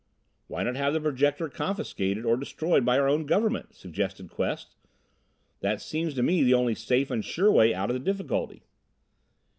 "Why not have the Projector confiscated or destroyed by our own Government?" suggested Quest. "That seems to me the only safe and sure way out of the difficulty."